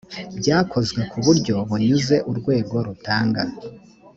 byakozwe ku buryo bunyuze urwego rutanga